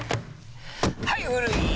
はい古い！